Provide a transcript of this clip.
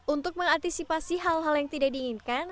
untuk mengantisipasi hal hal yang tidak diinginkan